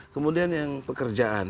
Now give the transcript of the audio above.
kemudian yang pekerjaan